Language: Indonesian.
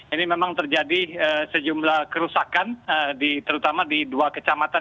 ini memang terjadi sejumlah kerusakan terutama di dua kecamatan